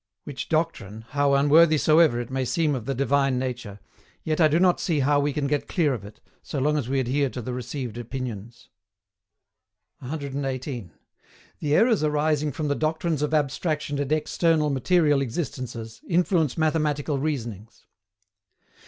Which doctrine, how unworthy soever it may seem of the Divine Nature, yet I do not see how we can get clear of it, so long as we adhere to the received opinions. 118. THE ERRORS ARISING FROM THE DOCTRINES OF ABSTRACTION AND EXTERNAL MATERIAL EXISTENCES, INFLUENCE MATHEMATICAL REASONINGS.